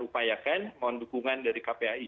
upayakan mohon dukungan dari kpai